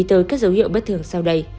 tới các dấu hiệu bất thường sau đây